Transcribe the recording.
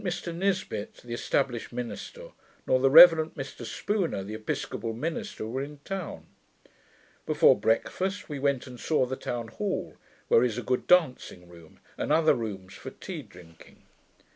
Saturday, 21st August Neither the Rev. Mr Nisbet, the established minister, nor the Rev. Mr Spooner, the episcopal minister, were in town. Before breakfast, we went and saw the town hall, where is a good dancing room, and other rooms for tea drinking.